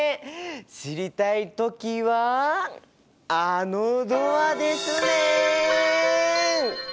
知りたい時はあのドアですね！